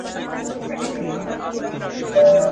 تاریخي پېښې باید په پوره امانتدارۍ ولیکل سي.